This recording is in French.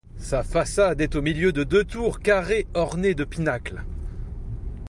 Sa façade est au milieu de deux tours carrées ornées de pinacles.